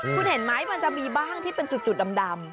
คุณเห็นไหมมันจะมีบ้างที่เป็นจุดดำ